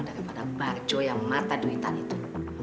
daripada barjo yang mata duitan itu